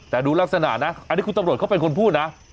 แต่ดูลักษณะนะอันนี้คุณตำรวจเขาเป็นคนพูดนะ